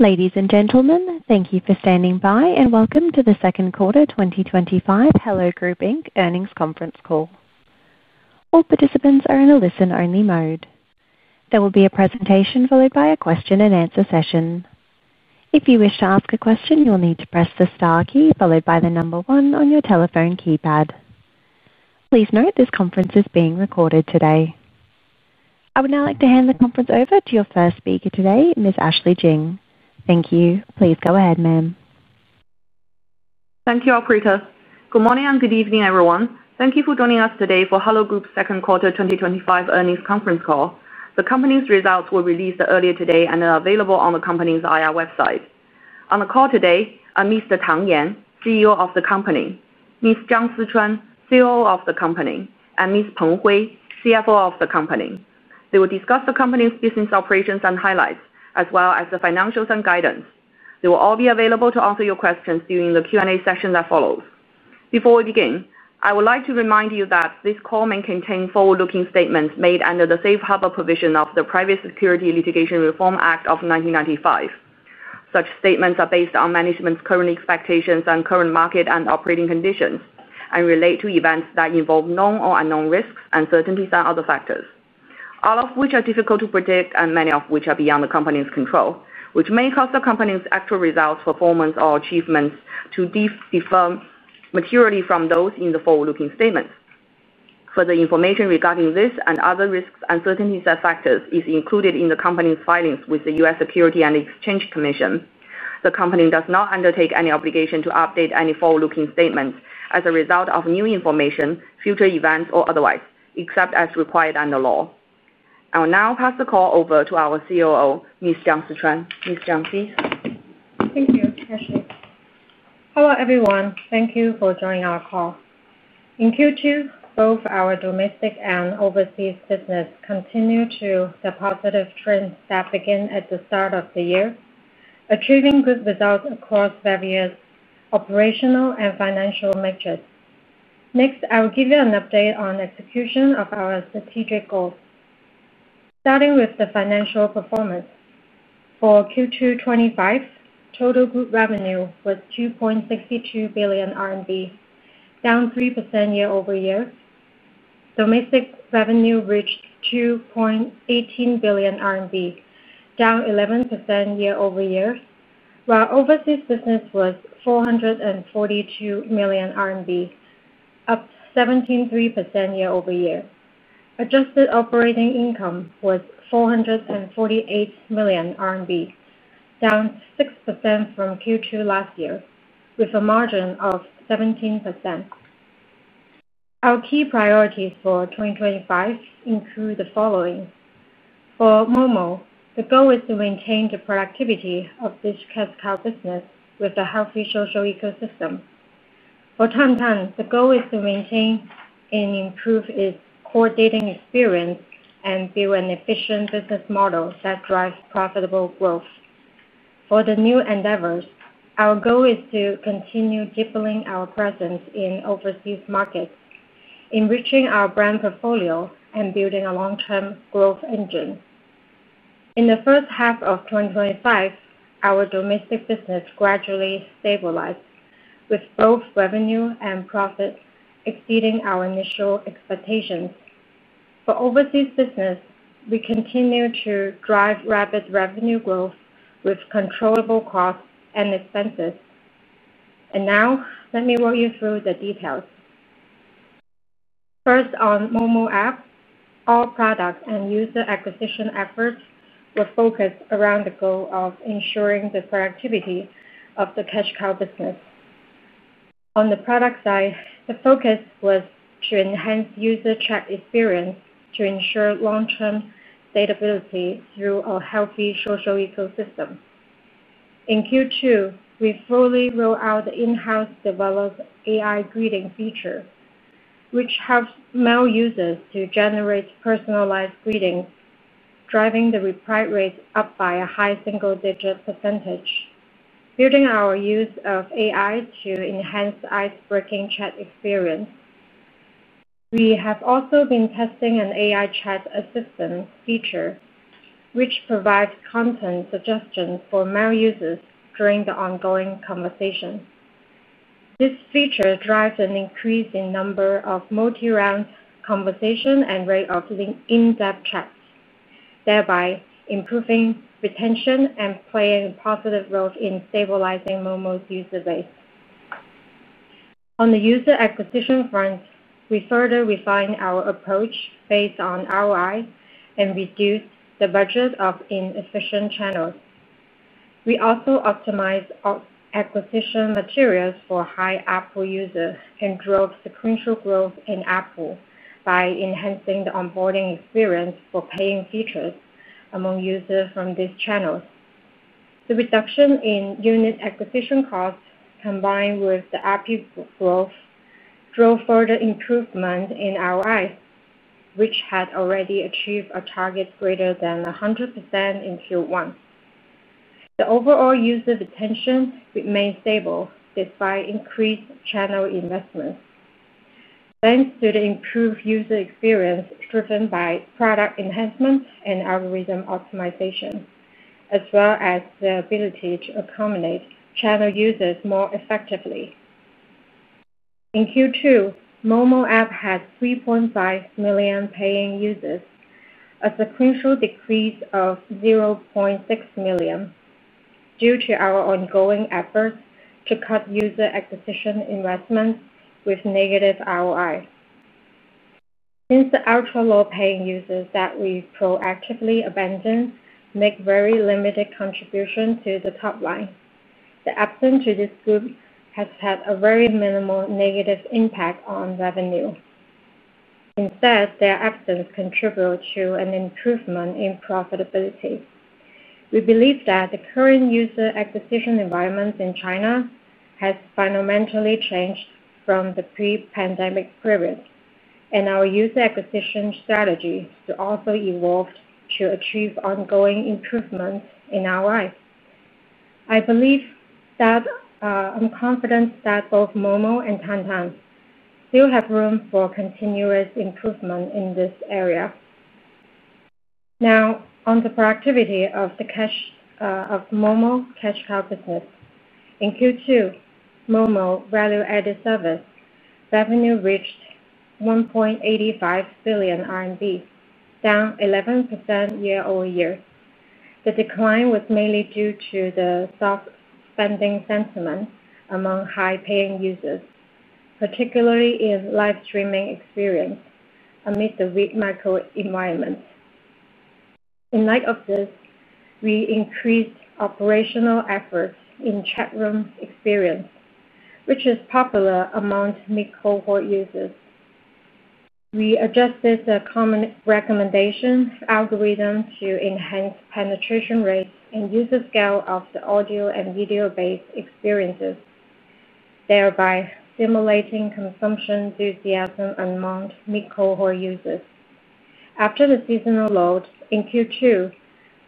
Ladies and gentlemen, thank you for standing by and welcome to the second quarter 2025 Hello Group Inc. earnings conference call. All participants are in a listen-only mode. There will be a presentation followed by a question and answer session. If you wish to ask a question, you'll need to press the star key followed by the number one on your telephone keypad. Please note this conference is being recorded today. I would now like to hand the conference over to your first speaker today, Ms. Ashley Jing. Thank you. Please go ahead, ma'am. Thank you. Good morning and good evening, everyone. Thank you for joining us today for Hello Group Inc.'s second quarter 2025 earnings conference call. The company's results were released earlier today and are available on the company's IR website. On the call today are Mr. Tang Yan, CEO of the company, Ms. Zhang Sichuan, COO of the company, and Ms. Peng Hui, CFO of the company. They will discuss the company's business operations and highlights, as well as the financials and guidance. They will all be available to answer your questions during the Q&A session that follows. Before we begin, I would like to remind you that this call may contain forward-looking statements made under the safe harbor provision of the Private Securities Litigation Reform Act of 1995. Such statements are based on management's current expectations on current market and operating conditions and relate to events that involve known or unknown risks, uncertainties, and other factors, all of which are difficult to predict and many of which are beyond the company's control, which may cause the company's actual results, performance, or achievements to differ materially from those in the forward-looking statements. Further information regarding this and other risks, uncertainties, and factors is included in the company's filings with the U.S. Securities and Exchange Commission. The company does not undertake any obligation to update any forward-looking statements as a result of new information, future events, or otherwise, except as required under law. I will now pass the call over to our COO, Ms. Zhang Sichuan. Ms. Zhang, please. Thank you, Ashley. Hello, everyone. Thank you for joining our call. In Q2, both our domestic and overseas business continued to have positive trends that began at the start of the year, achieving good results across various operational and financial metrics. Next, I will give you an update on the execution of our strategic goals. Starting with the financial performance for Q2 2025, total group revenue was 2.62 billion RMB, down 3% year-over-year. Domestic revenue reached 2.18 billion RMB, down 11% year-over-year, while overseas business was 442 million RMB, up 17.3% year-over-year. Adjusted operating income was 448 million RMB, down 6% from Q2 last year, with a margin of 17%. Our key priorities for 2025 include the following. For MoMo, the goal is to maintain the productivity of this cash cow business with a healthy social ecosystem. For Tang Tang, the goal is to maintain and improve its core dating experience and build an efficient business model that drives profitable growth. For the new endeavors, our goal is to continue deepening our presence in overseas markets, enriching our brand portfolio, and building a long-term growth engine. In the first half of 2025, our domestic business gradually stabilized, with both revenue and profit exceeding our initial expectations. For overseas business, we continue to drive rapid revenue growth with controllable costs and expenses. Now, let me walk you through the details. First, on MoMo app, all product and user acquisition efforts were focused around the goal of ensuring the productivity of the cash cow business. On the product side, the focus was to enhance user track experience to ensure long-term stable ability through a healthy social ecosystem. In Q2, we fully rolled out the in-house developed AI greeting feature, which helps male users to generate personalized greetings, driving the reply rate up by a high single-digit %, building our use of AI to enhance icebreaking chat experience. We have also been testing an AI chat assistant feature, which provides content suggestions for male users during the ongoing conversation. This feature drives an increase in the number of multi-round conversations and rate of in-depth chats, thereby improving retention and playing a positive role in stabilizing MoMo's user base. On the user acquisition front, we further refined our approach based on ROI and reduced the budget of inefficient channels. We also optimized acquisition materials for high Apple users and drove sequential growth in Apple by enhancing the onboarding experience for paying features among users from these channels. The reduction in unit acquisition costs, combined with the app growth, drove further improvement in ROI, which had already achieved a target greater than 100% in Q1. The overall user retention remained stable despite increased channel investment, thanks to the improved user experience driven by product enhancement and algorithm optimization, as well as the ability to accommodate channel users more effectively. In Q2, MoMo app had 3.5 million paying users, a sequential decrease of 0.6 million due to our ongoing efforts to cut user acquisition investment with negative ROI. Since the ultra-low paying users that we proactively abandoned make very limited contributions to the top line, the absence of this group has had a very minimal negative impact on revenue. Instead, their absence contributed to an improvement in profitability. We believe that the current user acquisition environment in China has fundamentally changed from the pre-pandemic period, and our user acquisition strategy has also evolved to achieve ongoing improvement in ROI. I believe that both MoMo and Tang Tang still have room for continuous improvement in this area. Now, on the productivity of the cash of MoMo cash cow business. In Q2, MoMo value-added service revenue reached 1.85 billion RMB, down 11% year-over-year. The decline was mainly due to the soft spending sentiment among high paying users, particularly in live streaming experience amid the weak microenvironment. In light of this, we increased operational efforts in chat room experience, which is popular among mid-cohort users. We adjusted the common recommendation algorithm to enhance penetration rates and user scale of the audio and video-based experiences, thereby stimulating consumption enthusiasm among mid-cohort users. After the seasonal load in Q2,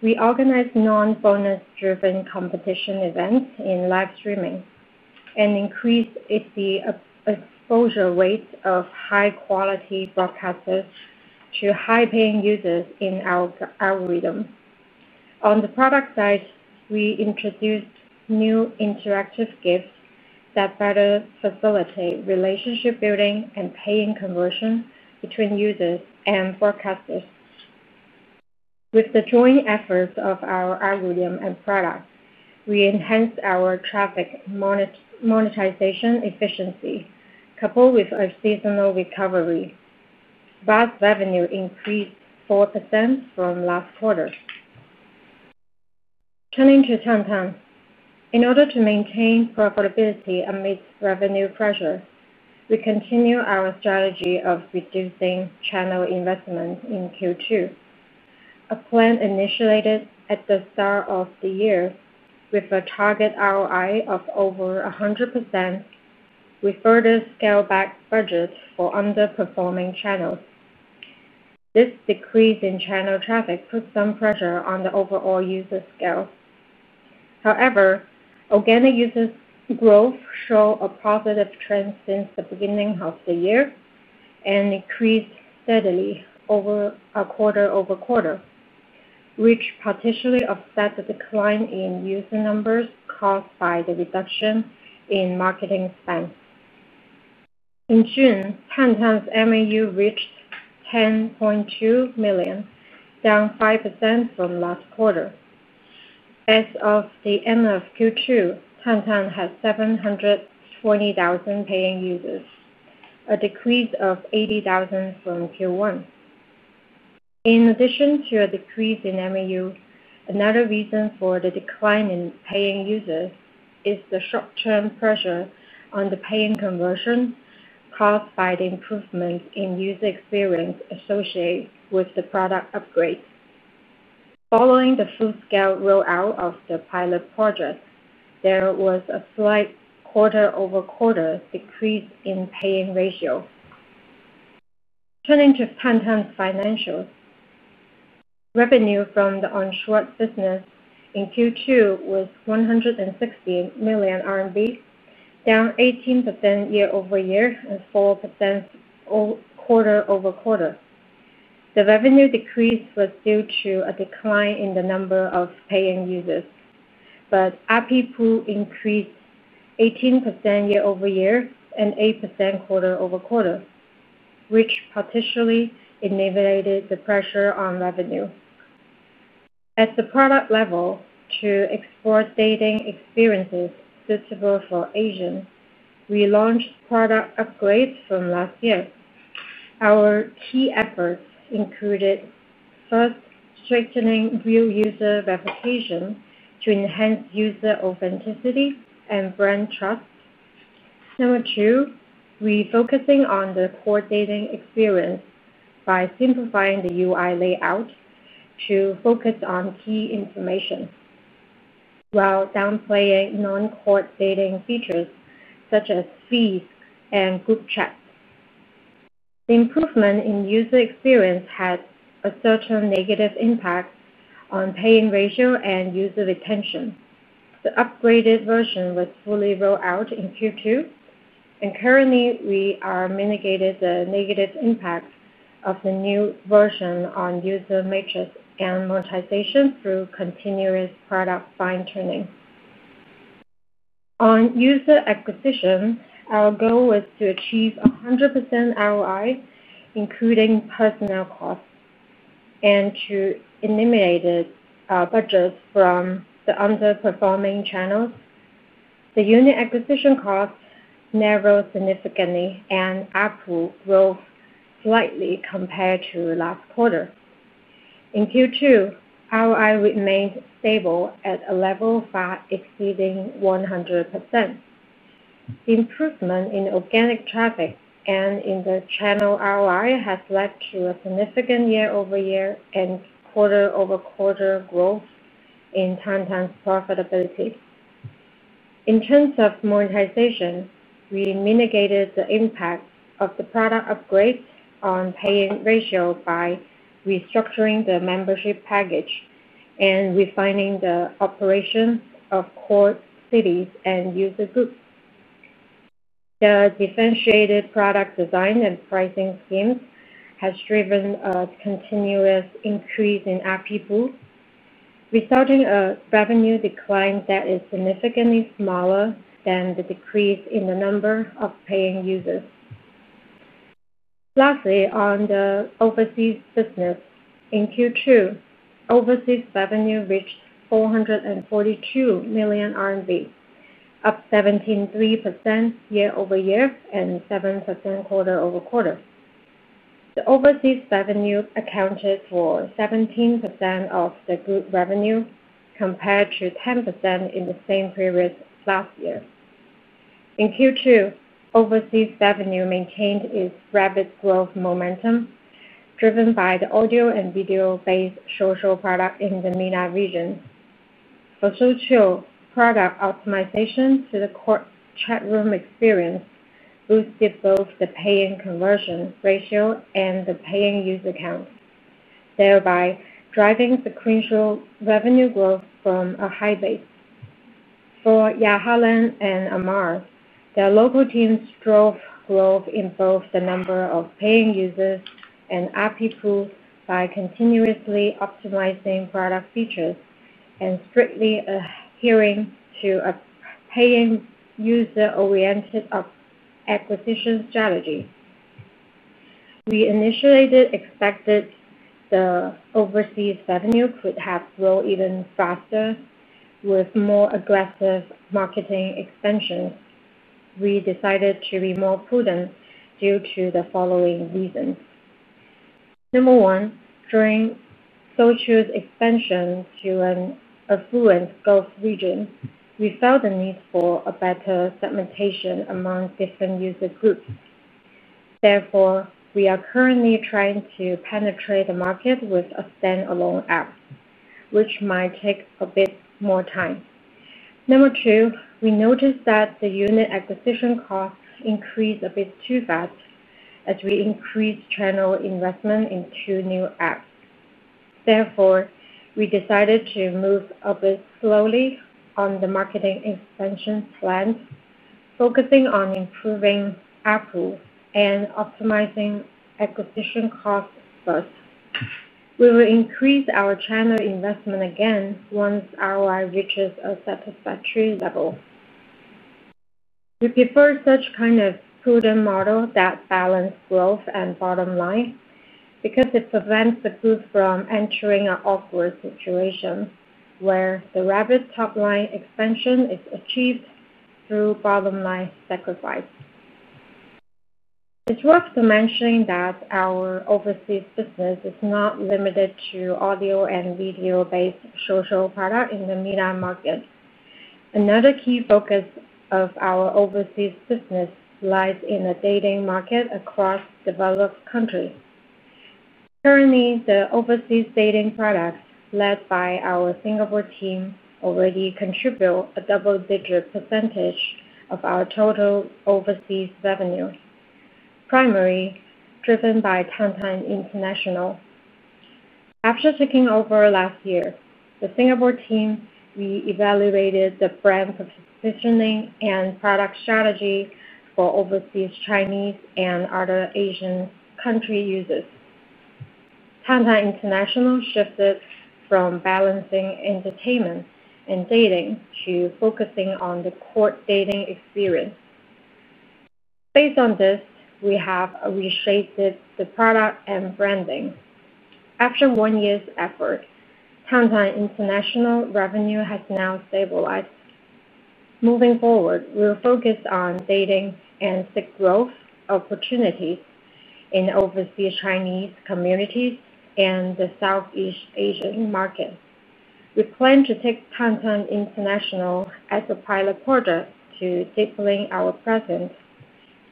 we organized non-bonus-driven competition events in live streaming and increased the exposure rate of high-quality broadcasters to high paying users in our algorithm. On the product side, we introduced new interactive gifts that better facilitate relationship building and paying conversion between users and broadcasters. With the joint efforts of our algorithm and product, we enhanced our traffic monetization efficiency, coupled with our seasonal recovery. Buzz revenue increased 4% from last quarter. Turning to Tang Tang, in order to maintain profitability amidst revenue pressure, we continue our strategy of reducing channel investment in Q2. A plan initiated at the start of the year with a target ROI of over 100%, we further scaled back the budget for underperforming channels. This decrease in channel traffic puts some pressure on the overall user scale. However, organic users' growth showed a positive trend since the beginning of the year and increased steadily quarter over quarter, which partially offset the decline in user numbers caused by the reduction in marketing spend. In June, Tang Tang's MAU reached 10.2 million, down 5% from last quarter. As of the end of Q2, Tang Tang had 720,000 paying users, a decrease of 80,000 from Q1. In addition to a decrease in MAU, another reason for the decline in paying users is the short-term pressure on the paying conversion caused by the improvements in user experience associated with the product upgrade. Following the full-scale rollout of the pilot project, there was a slight quarter over quarter decrease in paying ratio. Turning to Tang Tang's financials, revenue from the onshore business in Q2 was 116 million RMB, down 18% year-over-year and 4% quarter over quarter. The revenue decrease was due to a decline in the number of paying users, but RP pool increased 18% year-over-year and 8% quarter over quarter, which partially inhibited the pressure on revenue. At the product level, to explore dating experiences suitable for Asian, we launched product upgrades from last year. Our key efforts included, first, strengthening real user verification to enhance user authenticity and brand trust. Number two, we focus on the core dating experience by simplifying the UI layout to focus on key information while downplaying non-core dating features such as feeds and group chat. The improvement in user experience had a certain negative impact on paying ratio and user retention. The upgraded version was fully rolled out in Q2, and currently we are mitigating the negative impact of the new version on user matrix and monetization through continuous product fine-tuning. On user acquisition, our goal was to achieve 100% ROI, including personnel costs, and to eliminate budgets from the underperforming channels. The unit acquisition costs narrowed significantly, and Apple rose slightly compared to last quarter. In Q2, ROI remained stable at a level far exceeding 100%. The improvement in organic traffic and in the channel ROI has led to a significant year-over-year and quarter-over-quarter growth in Tang Tang's profitability. In terms of monetization, we mitigated the impact of the product upgrade on paying ratio by restructuring the membership package and refining the operations of core cities and user groups. The differentiated product design and pricing schemes have driven a continuous increase in RP pool, resulting in a revenue decline that is significantly smaller than the decrease in the number of paying users. Lastly, on the overseas business, in Q2, overseas revenue reached 442 million RMB, up 17.3% year-over-year and 7% quarter-over-quarter. The overseas revenue accounted for 17% of the group revenue compared to 10% in the same period last year. In Q2, overseas revenue maintained its rapid growth momentum, driven by the audio and video-based social product in the MENA region. For Suzhou, product optimization to the core chat room experience boosted both the paying conversion ratio and the paying user count, thereby driving sequential revenue growth from a high base. For YahaLand and Amar, their local teams drove growth in both the number of paying users and RP pool by continuously optimizing product features and strictly adhering to a paying user-oriented acquisition strategy. We initially expected the overseas revenue could have grown even faster with more aggressive marketing expansion. We decided to be more prudent due to the following reason. Number one, during Suzhou's expansion to an affluent Gulf region, we felt the need for a better segmentation among different user groups. Therefore, we are currently trying to penetrate the market with a standalone app, which might take a bit more time. Number two, we noticed that the unit acquisition cost increased a bit too fast as we increased channel investment in two new apps. Therefore, we decided to move a bit slowly on the marketing expansion plan, focusing on improving Apple and optimizing acquisition costs first. We will increase our channel investment again once ROI reaches a satisfactory level. We prefer such a kind of prudent model that balances growth and bottom line because it prevents the group from entering an awkward situation where the rapid top-line expansion is achieved through bottom-line sacrifice. It's worth mentioning that our overseas business is not limited to audio and video-based social products in the MENA market. Another key focus of our overseas business lies in the dating market across the developed countries. Currently, the overseas dating product led by our Singapore team already contributes a double-digit % of our total overseas revenue, primarily driven by Tang Tang International. After taking over last year, the Singapore team reevaluated the brand positioning and product strategy for overseas Chinese and other Asian country users. Tang Tang International shifted from balancing entertainment and dating to focusing on the core dating experience. Based on this, we have reshaped the product and branding. After one year's effort, Tang Tang International revenue has now stabilized. Moving forward, we will focus on dating and seek growth opportunities in the overseas Chinese community and the Southeast Asian market. We plan to take Tang Tang International as a pilot project to deepen our presence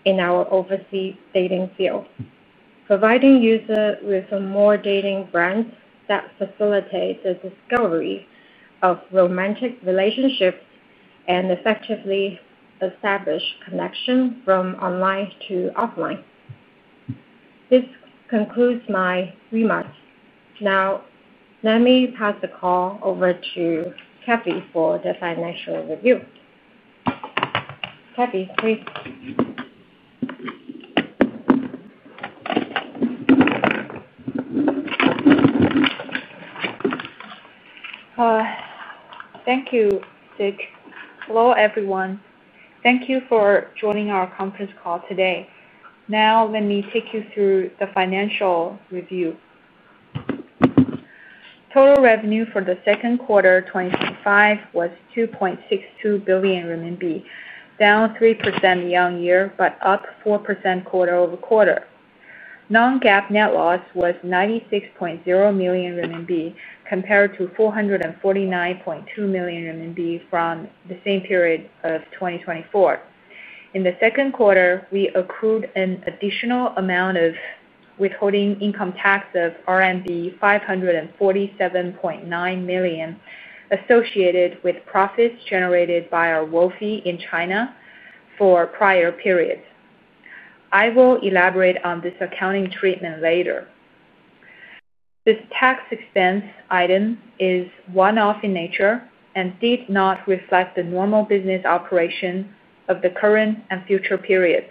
in our overseas dating field, providing users with a more dating brand that facilitates the discovery of romantic relationships and effectively establishes connections from online to offline. This concludes my remarks. Now, let me pass the call over to Cathy for the financial review. Cathy, please. Thank you, Dick. Hello, everyone. Thank you for joining our conference call today. Now, let me take you through the financial review. Total revenue for the second quarter 2025 was 2.62 billion renminbi, down 3% year-over-year, but up 4% quarter over quarter. Non-GAAP net loss was 96.0 million RMB compared to 449.2 million RMB from the same period of 2024. In the second quarter, we accrued an additional amount of withholding income tax of RMB 547.9 million associated with profits generated by our royalty in China for prior periods. I will elaborate on this accounting treatment later. This tax expense item is one-off in nature and did not reflect the normal business operation of the current and future periods.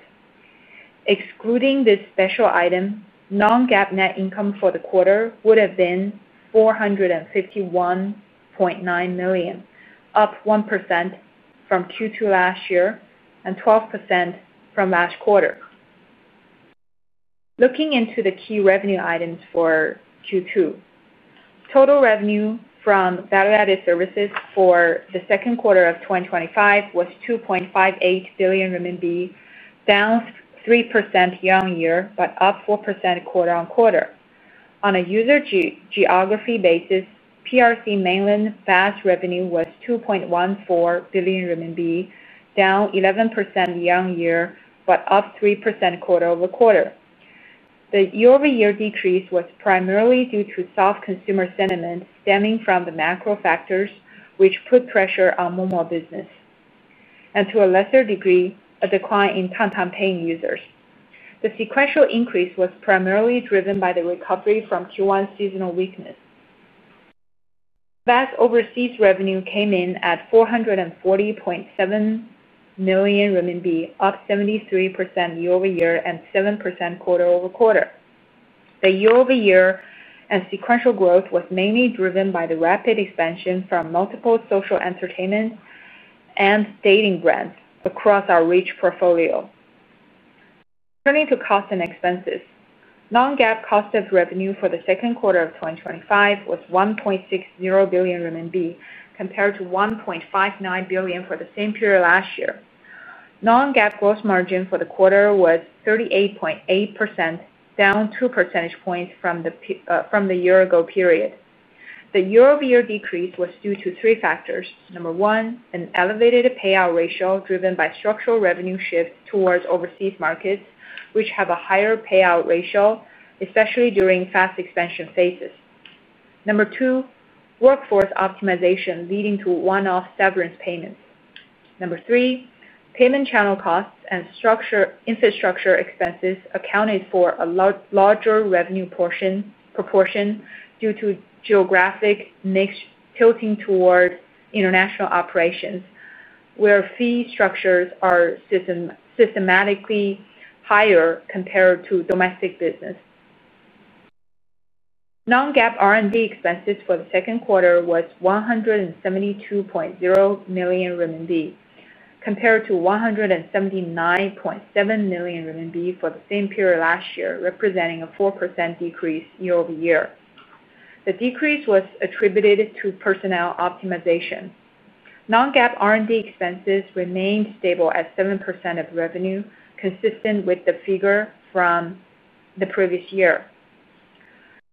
Excluding this special item, non-GAAP net income for the quarter would have been 451.9 million, up 1% from Q2 last year and 12% from last quarter. Looking into the key revenue items for Q2, total revenue from value-added services for the second quarter of 2025 was 2.58 billion renminbi, down 3% year-over-year, but up 4% quarter on quarter. On a user geography basis, PRC Mainland VAS revenue was 2.14 billion RMB, down 11% year-over-year, but up 3% quarter over quarter. The year-over-year decrease was primarily due to soft consumer sentiment stemming from the macro factors, which put pressure on MoMo business, and to a lesser degree, a decline in Tang Tang paying users. The sequential increase was primarily driven by the recovery from Q1 seasonal weakness. VAS overseas revenue came in at 440.7 million renminbi, up 73% year-over-year and 7% quarter over quarter. The year-over-year and sequential growth was mainly driven by the rapid expansion from multiple social entertainment and dating brands across our rich portfolio. Turning to costs and expenses, non-GAAP cost of revenue for the second quarter of 2025 was 1.60 billion RMB compared to 1.59 billion for the same period last year. Non-GAAP gross margin for the quarter was 38.8%, down 2 percentage points from the year-ago period. The year-over-year decrease was due to three factors. Number one, an elevated payout ratio driven by structural revenue shift towards overseas markets, which have a higher payout ratio, especially during fast expansion phases. Number two, workforce optimization leading to one-off severance payments. Number three, payment channel costs and structure infrastructure expenses accounted for a larger revenue proportion due to geographic niche, tilting toward international operations, where fee structures are systematically higher compared to domestic business. Non-GAAP R&D expenses for the second quarter were 172.0 million RMB compared to 179.7 million RMB for the same period last year, representing a 4% decrease year-over-year. The decrease was attributed to personnel optimization. Non-GAAP R&D expenses remained stable at 7% of revenue, consistent with the figure from the previous year.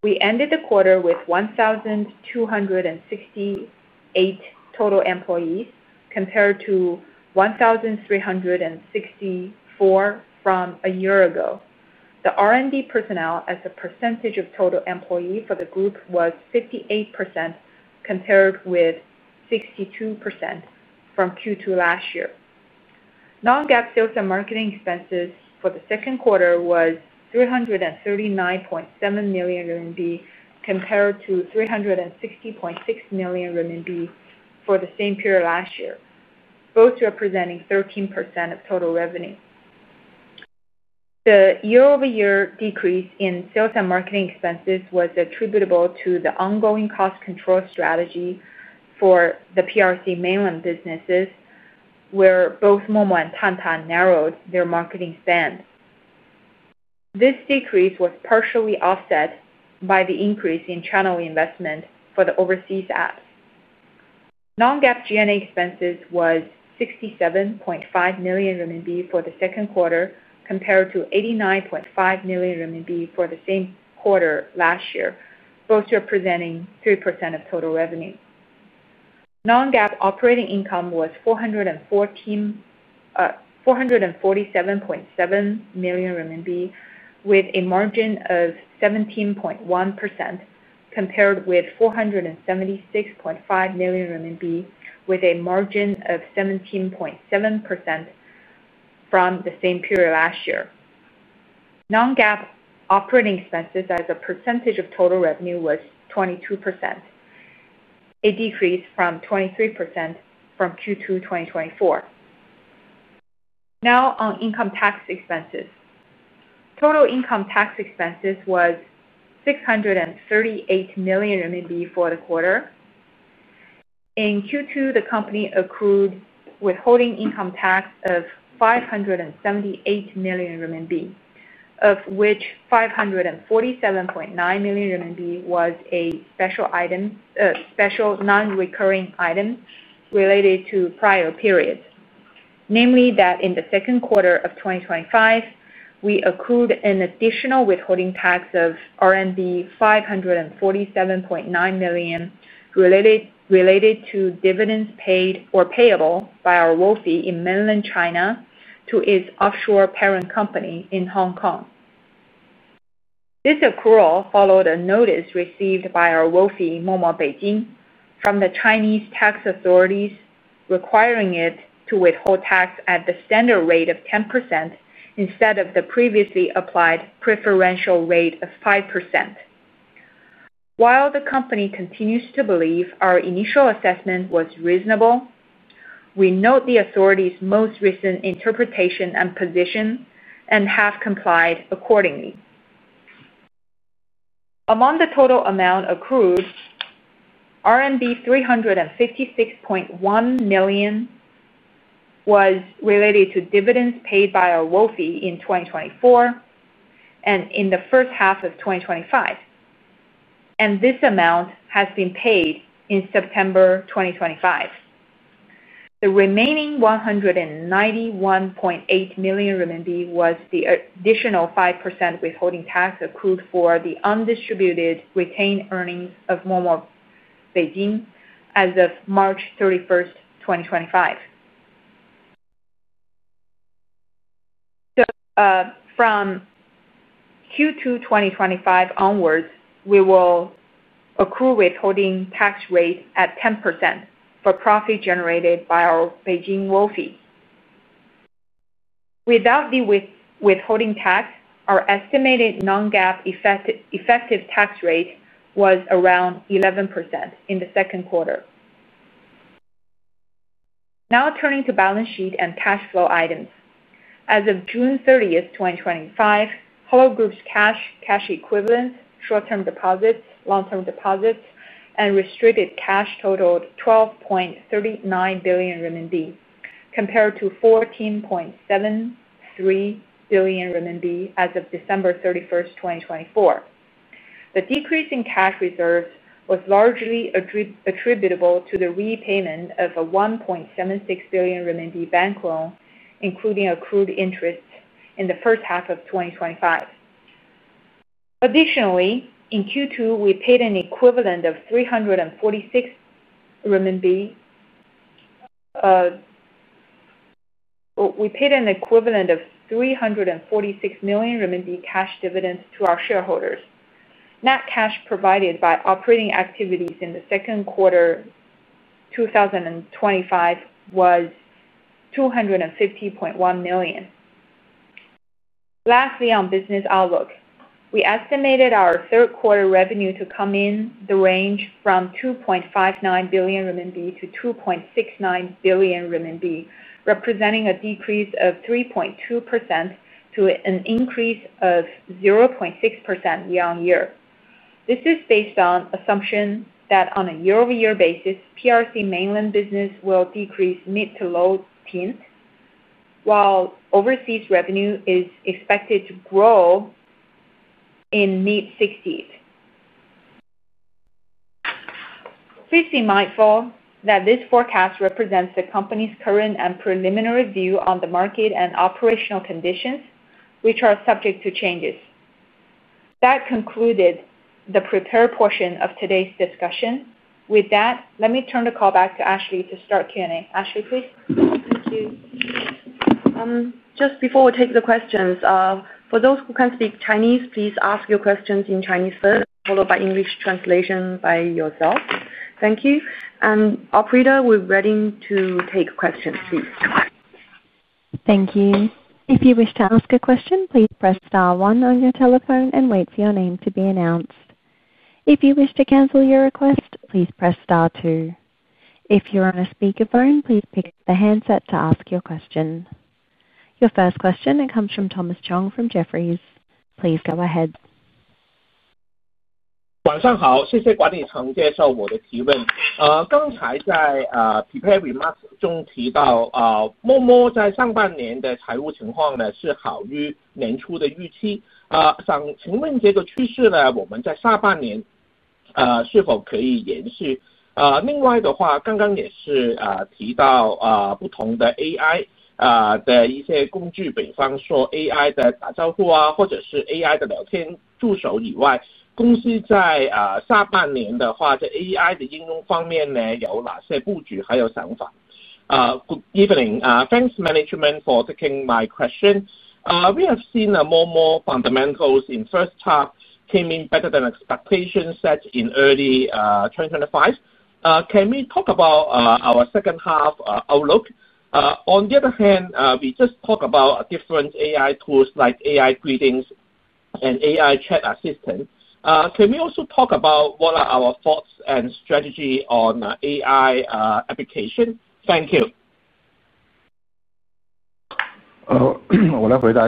We ended the quarter with 1,268 total employees compared to 1,364 from a year ago. The R&D personnel as a percentage of total employees for the group was 58% compared with 62% from Q2 last year. Non-GAAP sales and marketing expenses for the second quarter were 339.7 million RMB compared to 360.6 million RMB for the same period last year, both representing 13% of total revenue. The year-over-year decrease in sales and marketing expenses was attributable to the ongoing cost control strategy for the PRC Mainland businesses, where both MoMo and Tang Tang narrowed their marketing spend. This decrease was partially offset by the increase in channel investment for the overseas apps. Non-GAAP G&A expenses were 67.5 million RMB for the second quarter compared to 89.5 million RMB for the same quarter last year, both representing 3% of total revenue. Non-GAAP operating income was 447.7 million RMB with a margin of 17.1% compared with 476.5 million RMB with a margin of 17.7% from the same period last year. Non-GAAP operating expenses as a percentage of total revenue were 22%, a decrease from 23% from Q2 2024. Now, on income tax expenses, total income tax expenses were 638 million RMB for the quarter. In Q2, the company accrued withholding income tax of 578 million RMB, of which 547.9 million RMB was a special item, a special non-recurring item related to prior periods, namely that in the second quarter of 2025, we accrued an additional withholding tax of RMB 547.9 million related to dividends paid or payable by our royalty in Mainland China to its offshore parent company in Hong Kong. This accrual followed a notice received by our royalty, MoMo Beijing, from the Chinese tax authorities requiring it to withhold tax at the standard rate of 10% instead of the previously applied preferential rate of 5%. While the company continues to believe our initial assessment was reasonable, we note the authorities' most recent interpretation and position and have complied accordingly. Among the total amount accrued, RMB 356.1 million was related to dividends paid by our royalty in 2024 and in the first half of 2025, and this amount has been paid in September 2025. The remaining 191.8 million RMB was the additional 5% withholding tax accrued for the undistributed retained earnings of MoMo Beijing as of March 31, 2025. From Q2 2025 onwards, we will accrue withholding tax rate at 10% for profit generated by our Beijing royalty. Without the withholding tax, our estimated non-GAAP effective tax rate was around 11% in the second quarter. Now, turning to balance sheet and cash flow items. As of June 30, 2025, Hello Group's cash, cash equivalents, short-term deposits, long-term deposits, and restricted cash totaled 12.39 billion RMB compared to 14.73 billion RMB as of December 31, 2024. The decrease in cash reserves was largely attributable to the repayment of a 1.76 billion renminbi bank loan, including accrued interest in the first half of 2025. Additionally, in Q2, we paid an equivalent of 346 million RMB cash dividends to our shareholders. Net cash provided by operating activities in the second quarter 2025 was 250.1 million. Lastly, on business outlook, we estimated our third quarter revenue to come in the range from 2.59 billion RMB to 2.69 billion RMB, representing a decrease of 3.2% to an increase of 0.6% year-over-year. This is based on the assumption that on a year-over-year basis, PRC Mainland business will decrease mid to low teens, while overseas revenue is expected to grow in mid 60s. Please be mindful that this forecast represents the company's current and preliminary view on the market and operational conditions, which are subject to changes. That concluded the prepared portion of today's discussion. With that, let me turn the call back to Ashley to start Q&A. Ashley, please. Thank you. Just before we take the questions, for those who can speak Chinese, please ask your questions in Chinese first, followed by English translation by yourself. Thank you. Oprita, we're ready to take questions, please. Thank you. If you wish to ask a question, please press star one on your telephone and wait for your name to be announced. If you wish to cancel your request, please press star two. If you're on a speaker phone, please pick up the handset to ask your question. Your first question comes from Thomas Chong from Jefferies. Please go ahead. 晚上好, 谢谢管理层接受我的提问。刚才在 prepared remarks 中提到 MoMo 在上半年的财务情况呢, 是好于年初的预期。想请问这个趋势呢, 我们在下半年是否可以延续? 另外的话, 刚刚也是提到不同的 AI 的一些工具, 比方说 AI 的打招呼或者是 AI 的聊天助手以外, 公司在下半年的话, 在 AI 的应用方面呢, 有哪些布局还有想法? Evening, thanks management for taking my question. We have seen MoMo fundamentals in first half came in better than expectations set in early 2023. Can we talk about our second half outlook? On the other hand, we just talked about different AI tools like AI greetings and AI chat assistants. Can we also talk about what are our thoughts and strategy on AI application? Thank you. situation for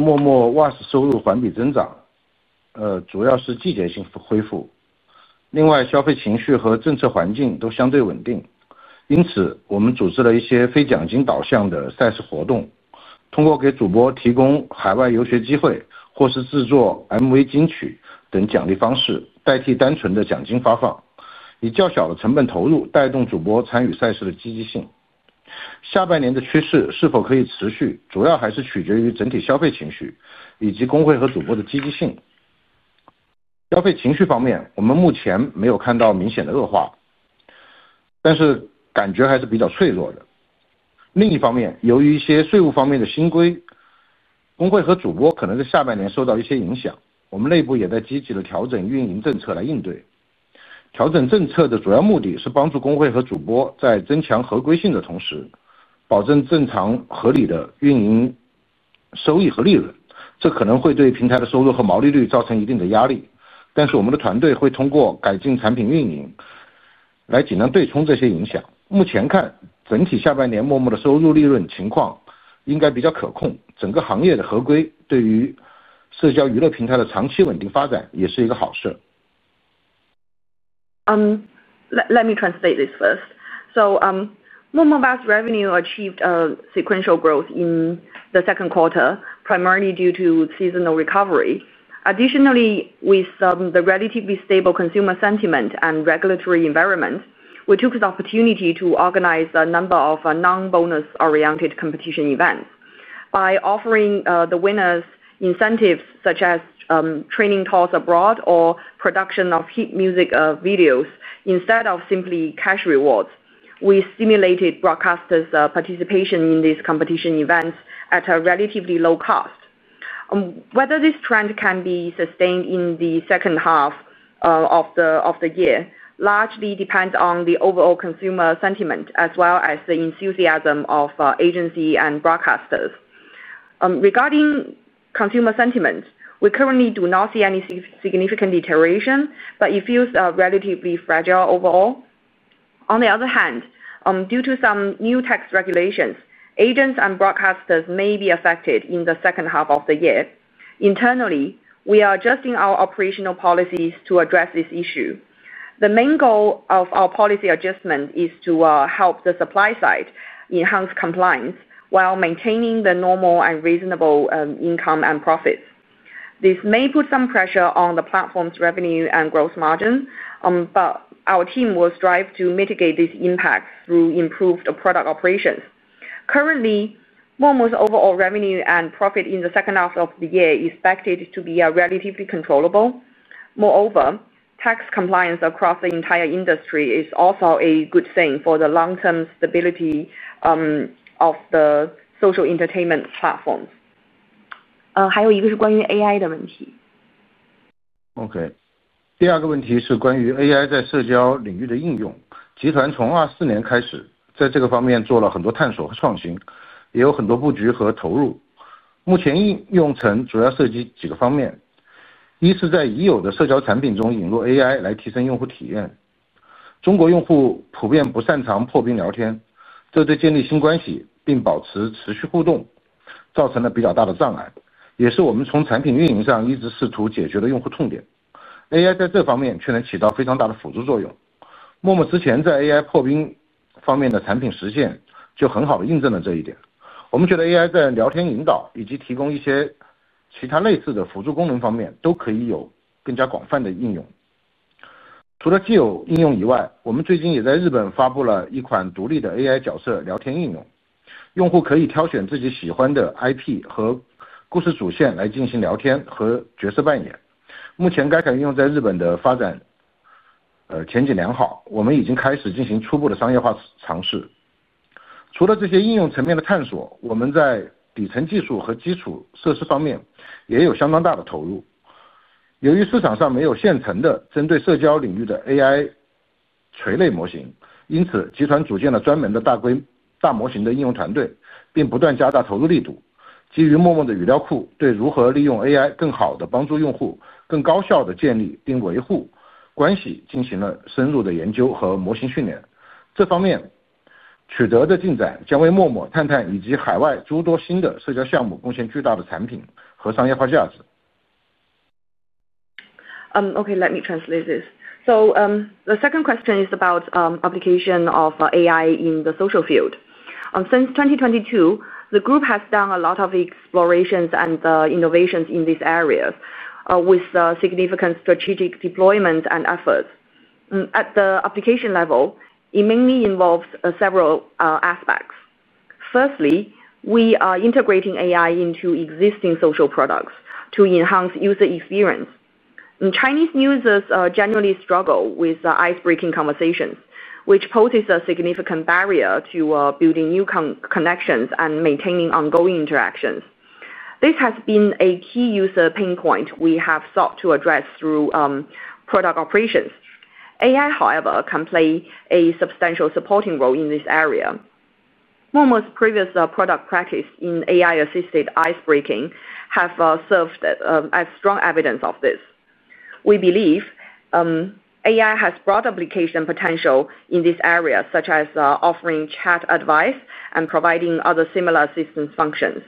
MoMo in the second half of the year should be relatively controllable. Industry-wide compliance is also a good thing for the long-term stable development of social entertainment platforms. Let me translate this first. MoMo WASP revenue achieved sequential growth in the second quarter, primarily due to seasonal recovery. Additionally, with the relatively stable consumer sentiment and regulatory environment, we took the opportunity to organize a number of non-bonus-oriented competition events. By offering the winners incentives such as training talks abroad or production of hit music videos instead of simply cash rewards, we stimulated broadcasters' participation in these competition events at a relatively low cost. Whether this trend can be sustained in the second half of the year largely depends on the overall consumer sentiment as well as the enthusiasm of agency and broadcasters. Regarding consumer sentiment, we currently do not see any significant deterioration, but it feels relatively fragile overall. On the other hand, due to some new tax regulations, agents and broadcasters may be affected in the second half of the year. Internally, we are adjusting our operational policies to address this issue. The main goal of our policy adjustment is to help the supply side enhance compliance while maintaining the normal and reasonable income and profits. This may put some pressure on the platform's revenue and gross margin, but our team will strive to mitigate these impacts through improved product operations. Currently, MoMo's overall revenue and profit in the second half of the year is expected to be relatively controllable. Moreover, tax compliance across the entire industry is also a good thing for the long-term stability of the social entertainment platforms. 还有一个是关于 AI 的问题。OK, 第二个问题是关于 AI 在社交领域的应用，集团从 2024 年开始在这个方面做了很多探索和创新，也有很多布局和投入。目前应用层主要涉及几个方面，一是在已有的社交产品中引入 AI 来提升用户体验。中国用户普遍不擅长破冰聊天，这对建立新关系并保持持续互动造成了比较大的障碍，也是我们从产品运营上一直试图解决的用户痛点。AI 在这方面却能起到非常大的辅助作用。MoMo 之前在 AI 破冰方面的产品实现就很好的印证了这一点。我们觉得 AI 在聊天引导以及提供一些其他类似的辅助功能方面都可以有更加广泛的应用。除了既有应用以外，我们最近也在日本发布了一款独立的 AI 角色聊天应用，用户可以挑选自己喜欢的 IP 和故事主线来进行聊天和角色扮演。目前该款应用在日本的发展前景良好，我们已经开始进行初步的商业化尝试。除了这些应用层面的探索，我们在底层技术和基础设施方面也有相当大的投入。由于市场上没有现成的针对社交领域的 AI 垂类模型，因此集团组建了专门的大模型的应用团队，并不断加大投入力度。基于 MoMo 的语料库，对如何利用 AI 更好地帮助用户更高效地建立并维护关系进行了深入的研究和模型训练。这方面取得的进展将为 MoMo、Tang Tang 以及海外诸多新的社交项目贡献巨大的产品和商业化价值。OK, let me translate this. The second question is about the application of AI in the social field. Since 2022, the group has done a lot of explorations and innovations in this area with significant strategic deployment and efforts. At the application level, it mainly involves several aspects. Firstly, we are integrating AI into existing social products to enhance user experience. Chinese users generally struggle with icebreaking conversations, which poses a significant barrier to building new connections and maintaining ongoing interactions. This has been a key user pain point we have sought to address through product operations. AI, however, can play a substantial supporting role in this area. MoMo's previous product practice in AI-assisted icebreaking has served as strong evidence of this. We believe AI has broad application potential in this area, such as offering chat advice and providing other similar assistance functions.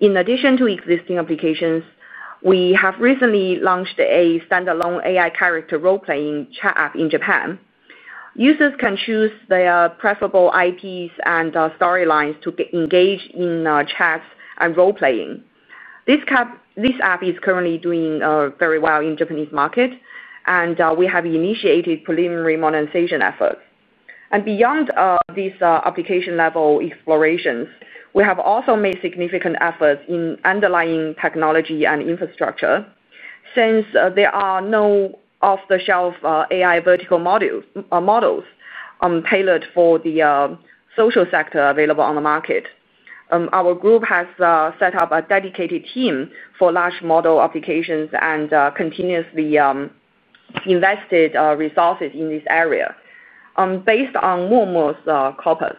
In addition to existing applications, we have recently launched a standalone AI character role-playing chat app in Japan. Users can choose their preferable IPs and storylines to engage in chats and role-playing. This app is currently doing very well in the Japanese market, and we have initiated preliminary monetization efforts. Beyond these application-level explorations, we have also made significant efforts in underlying technology and infrastructure since there are no off-the-shelf AI vertical models tailored for the social sector available on the market. Our group has set up a dedicated team for large model applications and continuously invested resources in this area. Based on MoMo's corpus,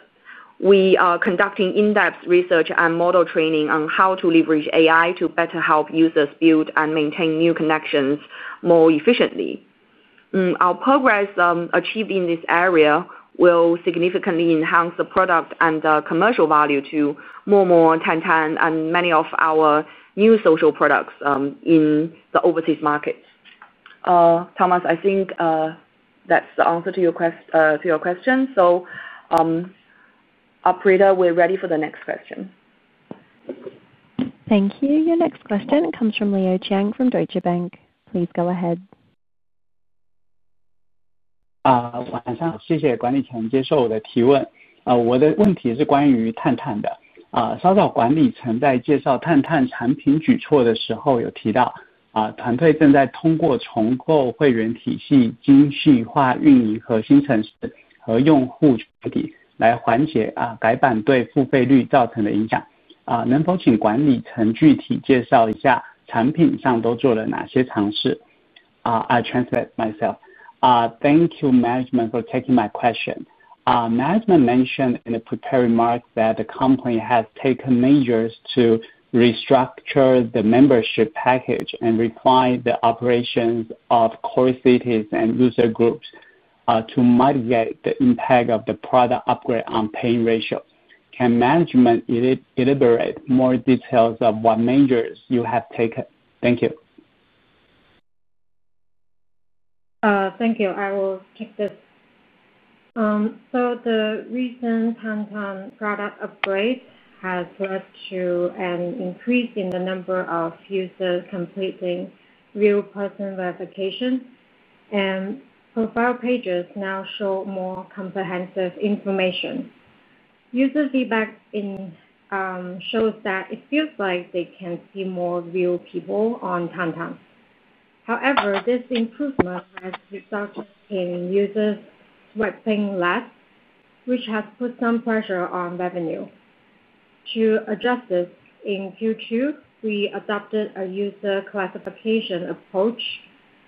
we are conducting in-depth research and model training on how to leverage AI to better help users build and maintain new connections more efficiently. Our progress achieved in this area will significantly enhance the product and the commercial value to MoMo, Tang Tang, and many of our new social products in the overseas markets. Thomas, I think that's the answer to your question. Oprita, we're ready for the next question. Thank you. Your next question comes from Leo Chiang from Deutsche Bank. Please go ahead. 晚上好, 谢谢管理层接受我的提问。我的问题是关于 Tang Tang 的。稍早管理层在介绍 Tang Tang 产品举措的时候有提到, 团队正在通过重构会员体系, 精细化运营核心层次和用户群体来缓解改版对付费率造成的影响。能否请管理层具体介绍一下产品上都做了哪些尝试? I'll translate myself. Thank you, management, for taking my question. Management mentioned in the prepared remark that the company has taken measures to restructure the membership package and refine the operations of core cities and user groups to mitigate the impact of the product upgrade on paying ratios. Can management elaborate more details on what measures you have taken? Thank you. Thank you. I will take this. The recent Tang Tang product upgrade has led to an increase in the number of users completing real-person verification, and profile pages now show more comprehensive information. User feedback shows that it feels like they can see more real people on Tang Tang. However, this improvement has resulted in users websaving less, which has put some pressure on revenue. To address this in Q2, we adopted a user classification approach.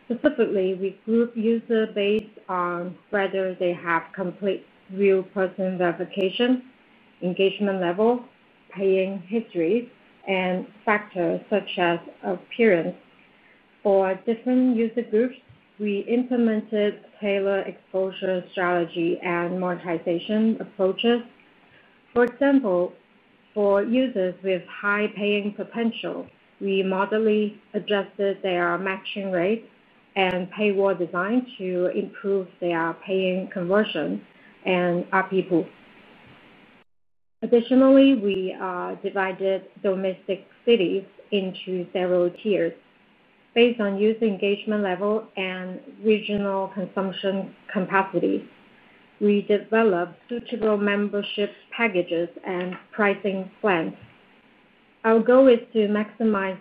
Specifically, we group users based on whether they have complete real-person verification, engagement level, paying history, and factors such as appearance. For different user groups, we implemented tailored exposure strategy and monetization approaches. For example, for users with high paying potential, we moderately adjusted their matching rate and paywall design to improve their paying conversion and RP pool. Additionally, we divided domestic cities into several tiers based on user engagement level and regional consumption capacity. We developed suitable membership packages and pricing plans. Our goal is to maximize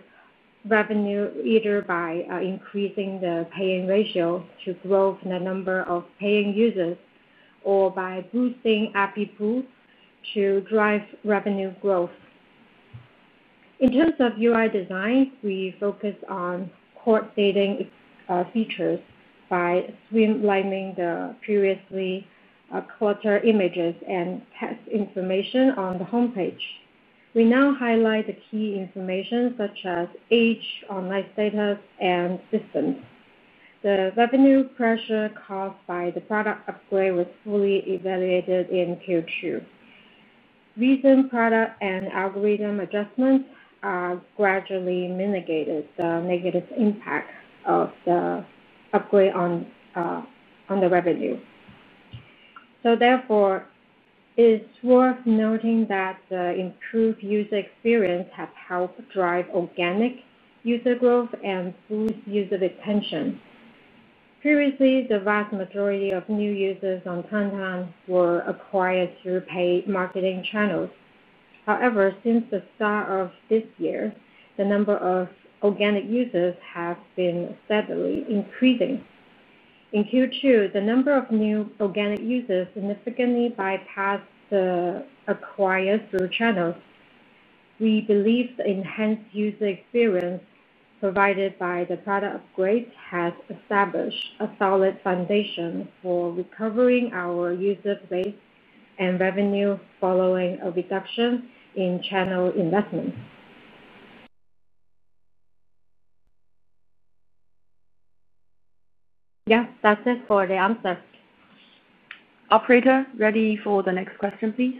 revenue either by increasing the paying ratio to grow the number of paying users or by boosting RP pool to drive revenue growth. In terms of UI design, we focus on core dating features by streamlining the previously cluttered images and text information on the homepage. We now highlight the key information such as age, online status, and distance. The revenue pressure caused by the product upgrade was fully evaluated in Q2. Recent product and algorithm adjustments have gradually mitigated the negative impact of the upgrade on the revenue. Therefore, it's worth noting that the improved user experience has helped drive organic user growth and boost user retention. Previously, the vast majority of new users on Tang Tang were acquired through paid marketing channels. However, since the start of this year, the number of organic users has been steadily increasing. In Q2, the number of new organic users significantly bypassed the acquired through channels. We believe the enhanced user experience provided by the product upgrade has established a solid foundation for recovering our users' weight and revenue following a reduction in channel investment. Yes, that's it for the answers. Oprita, ready for the next question, please.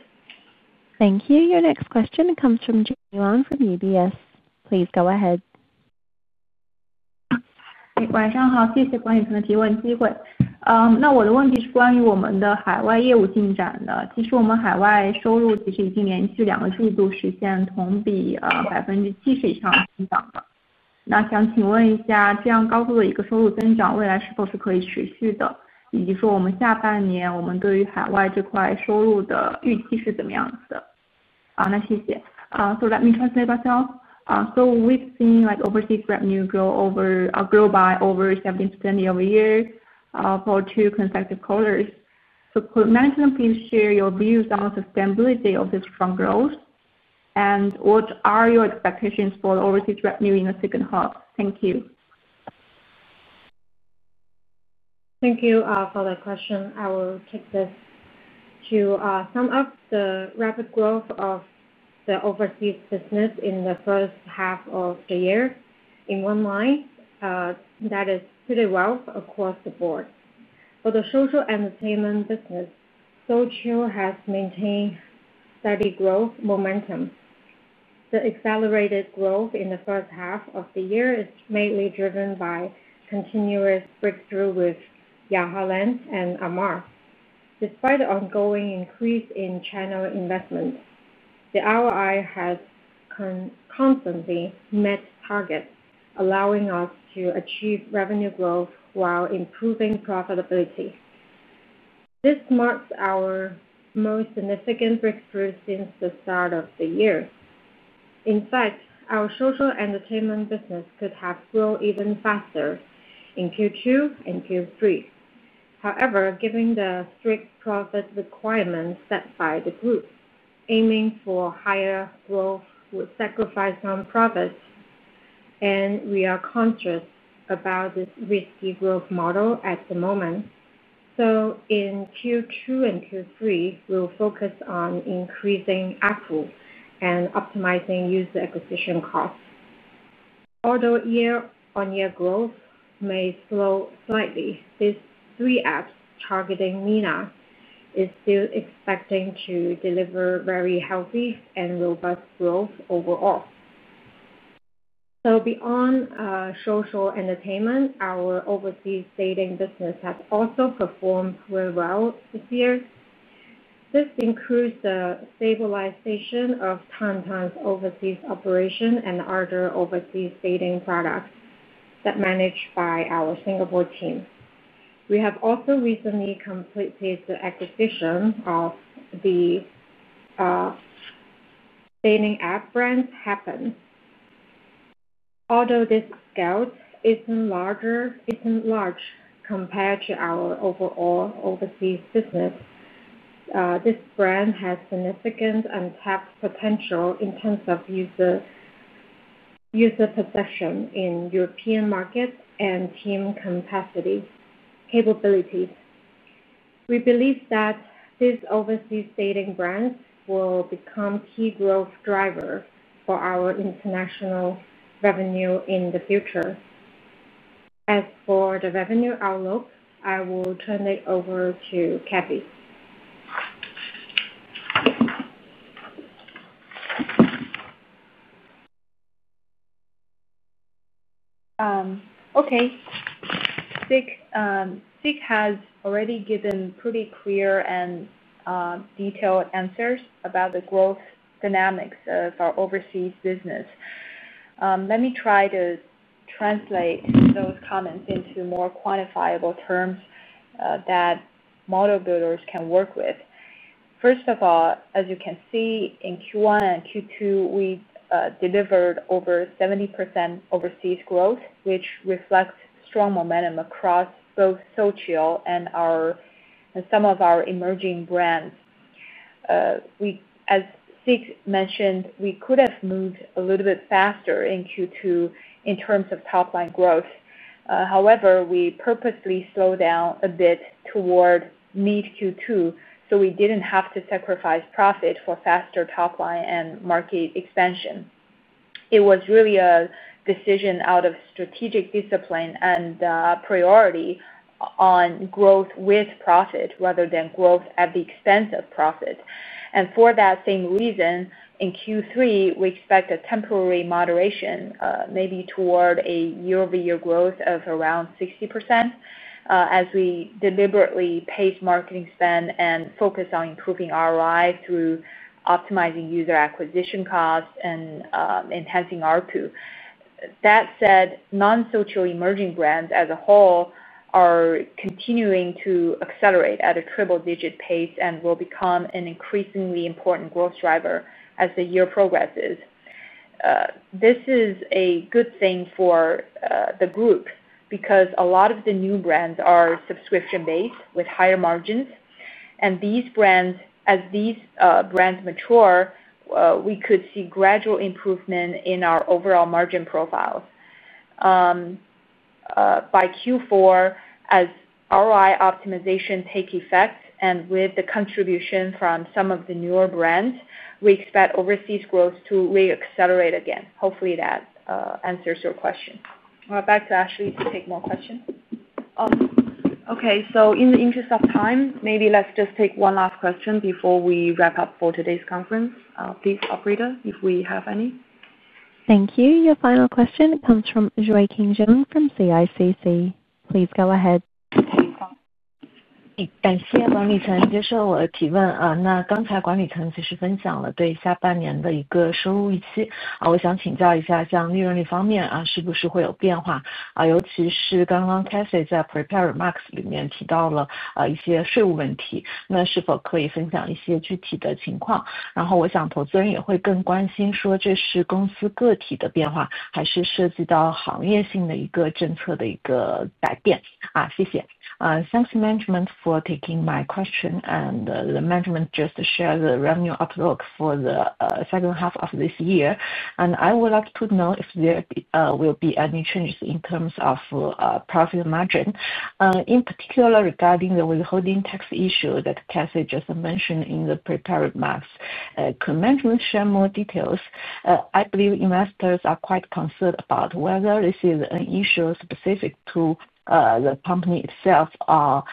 Thank you. Your next question comes from Jiayuan from UBS. Please go ahead. 晚上好, 谢谢管理层的提问机会。那我的问题是关于我们的海外业务进展的。其实我们海外收入其实已经连续两个季度实现同比70%以上的增长了。那想请问一下, 这样高度的一个收入增长未来是否是可以持续的? 以及说我们下半年我们对于海外这块收入的预期是怎么样子的? 啊, 那谢谢。I've seen overseas revenue grow by over 70% year-over-year for two consecutive quarters. Could management please share your views on the sustainability of this strong growth? What are your expectations for the overseas revenue in the second half? Thank you. Thank you for that question. I will take this. To sum up, the rapid growth of the overseas business in the first half of the year, in one line, that is pretty rough across the board. For the social entertainment business, Suzhou has maintained steady growth momentum. The accelerated growth in the first half of the year is mainly driven by continuous breakthrough with Yahala and Amar. Despite the ongoing increase in channel investment, the ROI has constantly met targets, allowing us to achieve revenue growth while improving profitability. This marks our most significant breakthrough since the start of the year. In fact, our social entertainment business could have grown even faster in Q2 and Q3. However, given the strict profit requirements set by the group, aiming for higher growth would sacrifice some profits. We are conscious about this risky growth model at the moment. In Q2 and Q3, we'll focus on increasing app pool and optimizing user acquisition costs. Although year-on-year growth may slow slightly, these three apps targeting MENA are still expected to deliver very healthy and robust growth overall. Beyond social entertainment, our overseas dating business has also performed very well this year. This includes the stabilization of Tang Tang International's overseas operation and other overseas dating products that are managed by our Singapore team. We have also recently completed the acquisition of the dating app brand Happn. Although this scale isn't large compared to our overall overseas business, this brand has significant untapped potential in terms of user succession in European markets and team capacity capabilities. We believe that this overseas dating brand will become a key growth driver for our international revenue in the future. As for the revenue outlook, I will turn it over to Cathy. OK. Stig has already given pretty clear and detailed answers about the growth dynamics of our overseas business. Let me try to translate those comments into more quantifiable terms that model builders can work with. First of all, as you can see, in Q1 and Q2, we delivered over 70% overseas growth, which reflects strong momentum across both Suzhou and some of our emerging brands. As Stig mentioned, we could have moved a little bit faster in Q2 in terms of top-line growth. However, we purposely slowed down a bit toward mid-Q2 so we didn't have to sacrifice profit for faster top-line and market expansion. It was really a decision out of strategic discipline and priority on growth with profit rather than growth at the expense of profit. For that same reason, in Q3, we expect a temporary moderation, maybe toward a year-over-year growth of around 60% as we deliberately pace marketing spend and focus on improving ROI through optimizing user acquisition costs and enhancing RP pool. That said, non-Suzhou emerging brands as a whole are continuing to accelerate at a triple-digit pace and will become an increasingly important growth driver as the year progresses. This is a good thing for the group because a lot of the new brands are subscription-based with higher margins. As these brands mature, we could see gradual improvement in our overall margin profiles. By Q4, as ROI optimization takes effect and with the contribution from some of the newer brands, we expect overseas growth to reaccelerate again. Hopefully, that answers your question. Back to Ashley to take more questions. OK, in the interest of time, maybe let's just take one last question before we wrap up for today's conference. Please, Oprita, if we have any. Thank you. Your final question comes from Xueqing Zhang from CICC. Please go ahead. 尤其是刚刚 Cathy 在 prepared remarks 里面提到了一些税务问题, 那是否可以分享一些具体的情况? 然后我想投资人也会更关心说这是公司个体的变化, 还是涉及到行业性的一个政策的一个改变? 谢谢。Thanks, management, for taking my question, and the management just shared the revenue outlook for the second half of this year. I would like to know if there will be any changes in terms of profit margin, in particular regarding the withholding tax issue that Cathy just mentioned in the prepared remarks. Could management share more details? I believe investors are quite concerned about whether this is an issue specific to the company itself or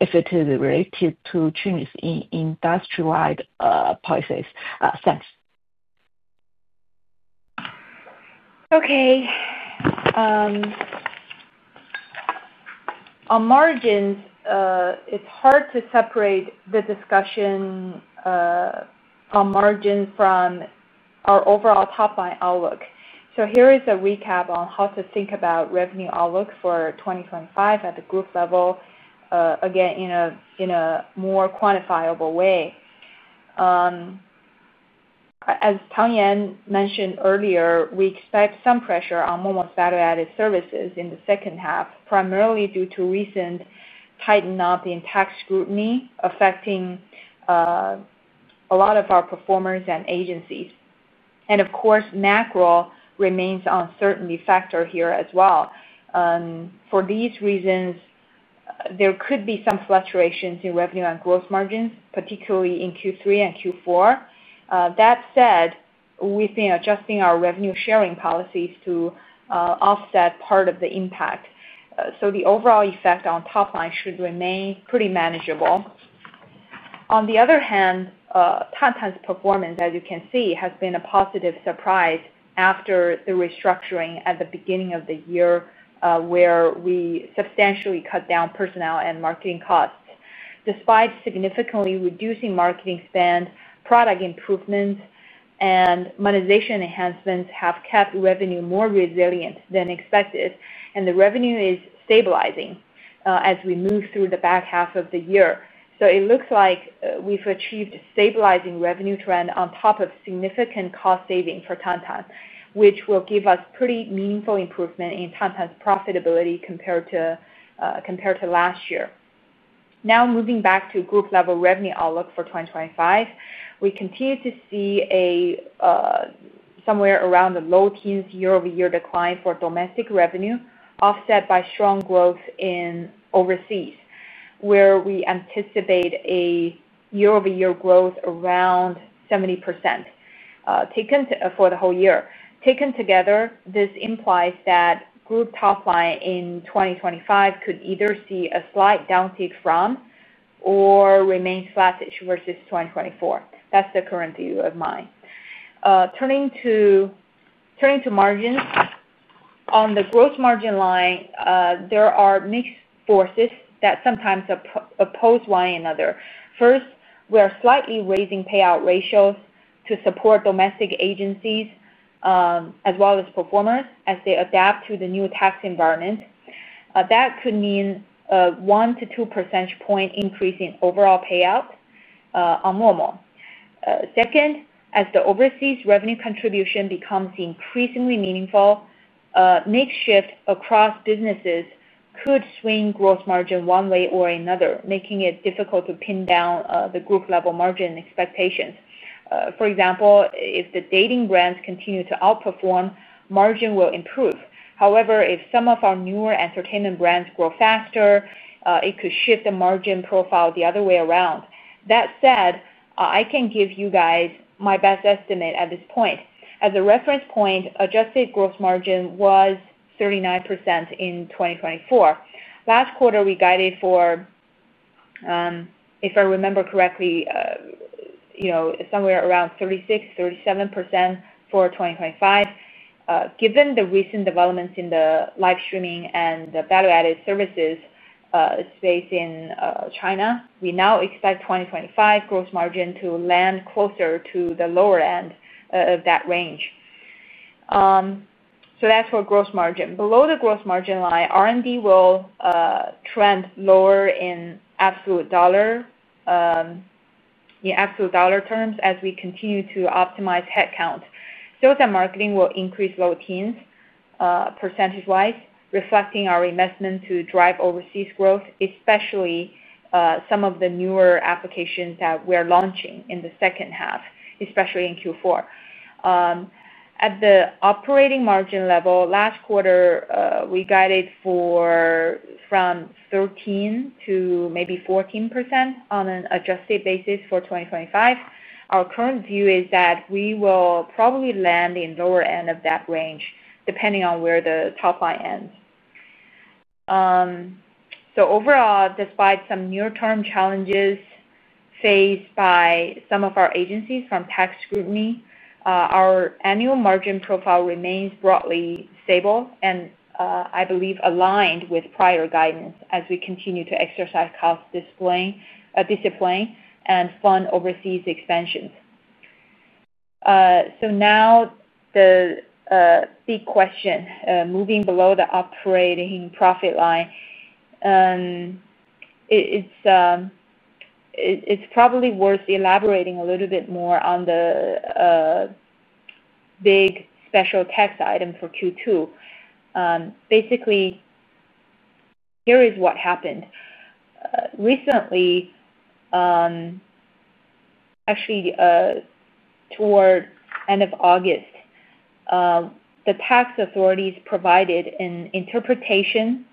if it is related to changes in industry policies. Thanks. OK. On margins, it's hard to separate the discussion on margins from our overall top-line outlook. Here is a recap on how to think about revenue outlook for 2025 at the group level, again, in a more quantifiable way. As Tang Yan mentioned earlier, we expect some pressure on MoMo's value-added services in the second half, primarily due to recent tightening up in tax scrutiny affecting a lot of our performers and agencies. Of course, macro remains an uncertainty factor here as well. For these reasons, there could be some fluctuations in revenue and gross margins, particularly in Q3 and Q4. That said, we've been adjusting our revenue sharing policies to offset part of the impact. The overall effect on top-line should remain pretty manageable. On the other hand, Tang Tang's performance, as you can see, has been a positive surprise after the restructuring at the beginning of the year, where we substantially cut down personnel and marketing costs. Despite significantly reducing marketing spend, product improvements and monetization enhancements have kept revenue more resilient than expected. The revenue is stabilizing as we move through the back half of the year. It looks like we've achieved a stabilizing revenue trend on top of significant cost savings for Tang Tang, which will give us pretty meaningful improvement in Tang Tang's profitability compared to last year. Now, moving back to group-level revenue outlook for 2025, we continue to see somewhere around the low teens year-over-year decline for domestic revenue, offset by strong growth in overseas, where we anticipate a year-over-year growth around 70% for the whole year. Taken together, this implies that group top-line in 2025 could either see a slight downtick from or remain flattish versus 2024. That's the current view of mine. Turning to margins, on the gross margin line, there are mixed forces that sometimes oppose one another. First, we are slightly raising payout ratios to support domestic agencies, as well as performers, as they adapt to the new tax environment. That could mean a 1% to 2% increase in overall payout on MoMo. Second, as the overseas revenue contribution becomes increasingly meaningful, mix shift across businesses could swing gross margin one way or another, making it difficult to pin down the group-level margin expectations. For example, if the dating brands continue to outperform, margin will improve. However, if some of our newer entertainment brands grow faster, it could shift the margin profile the other way around. That said, I can give you guys my best estimate at this point. As a reference point, adjusted gross margin was 39% in 2024. Last quarter, we guided for, if I remember correctly, somewhere around 36%, 37% for 2025. Given the recent developments in the live streaming and the value-added services space in China, we now expect 2025 gross margin to land closer to the lower end of that range. That's for gross margin. Below the gross margin line, R&D will trend lower in absolute dollar terms as we continue to optimize headcount. Sales and marketing will increase low teens % wise, reflecting our investment to drive overseas growth, especially some of the newer applications that we're launching in the second half, especially in Q4. At the operating margin level, last quarter, we guided for from 13% to maybe 14% on an adjusted basis for 2025. Our current view is that we will probably land in the lower end of that range, depending on where the top-line ends. Overall, despite some near-term challenges faced by some of our agencies from tax scrutiny, our annual margin profile remains broadly stable and, I believe, aligned with prior guidance as we continue to exercise cost discipline and fund overseas expansions. Now, the big question, moving below the operating profit line, it's probably worth elaborating a little bit more on the big special tax item for Q2. Basically, here is what happened. Recently, actually toward the end of August, the tax authorities provided an interpretation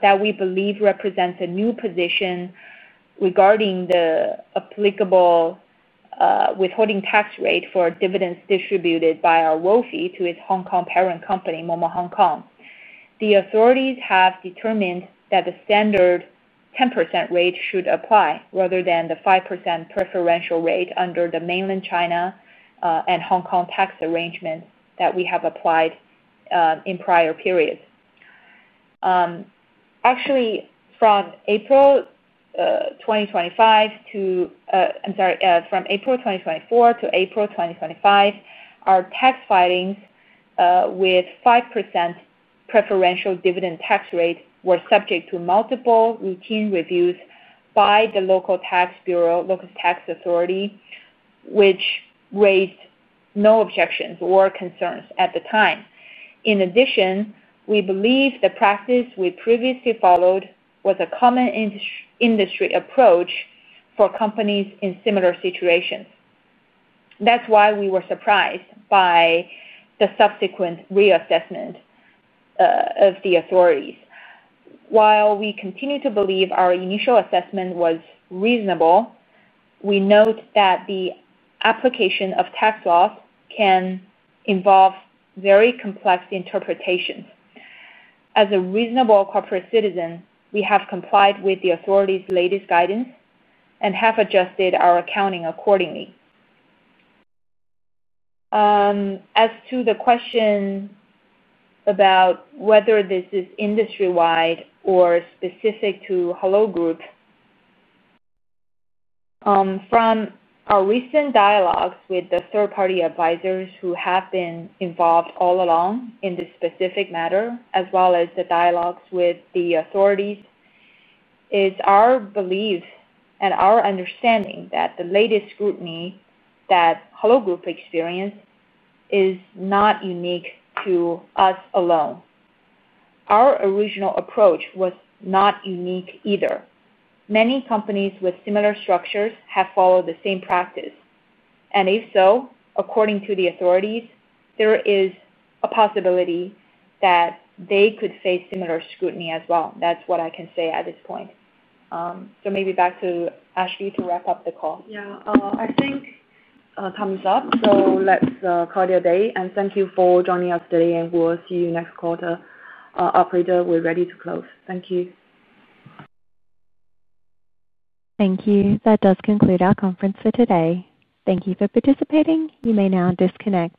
that we believe represents a new position regarding the applicable withholding tax rate for dividends distributed by our royalty to its Hong Kong parent company, MoMo Hong Kong. The authorities have determined that the standard 10% rate should apply, rather than the 5% preferential rate under the Mainland China and Hong Kong tax arrangement that we have applied in prior periods. From April 2024 to April 2025, our tax filings with 5% preferential dividend tax rate were subject to multiple routine reviews by the local tax bureau, local tax authority, which raised no objections or concerns at the time. In addition, we believe the practice we previously followed was a common industry approach for companies in similar situations. That's why we were surprised by the subsequent reassessment of the authorities. While we continue to believe our initial assessment was reasonable, we note that the application of tax laws can involve very complex interpretations. As a reasonable corporate citizen, we have complied with the authority's latest guidance and have adjusted our accounting accordingly. As to the question about whether this is industry-wide or specific to Hello Group, from our recent dialogues with the third-party advisors who have been involved all along in this specific matter, as well as the dialogues with the authorities, it's our belief and our understanding that the latest scrutiny that Hello Group experienced is not unique to us alone. Our original approach was not unique either. Many companies with similar structures have followed the same practice. If so, according to the authorities, there is a possibility that they could face similar scrutiny as well. That's what I can say at this point. Maybe back to Ashley to wrap up the call. I think that comes up. Let's call it a day. Thank you for joining us today, and we'll see you next quarter. Oprita, we're ready to close. Thank you. Thank you. That does conclude our conference for today. Thank you for participating. You may now disconnect.